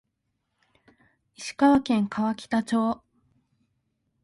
石川県川北町